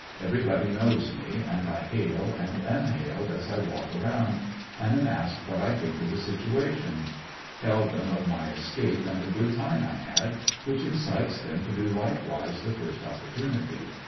Everybody knows me, and I hail and am hailed as I walk around, and am asked what I think of the situation. Tell them of my escape and the good time I had, which incites them to do likewise the first opportunity.